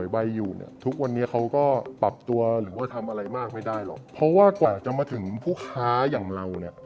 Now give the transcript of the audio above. วัยอยู่เนี่ยทุกวันนี้เขาก็ปรับตัวหรือว่าทำอะไรมากไม่ได้หรอกเพราะว่ากว่าจะมาถึงผู้ค้าอย่างเราเนี่ย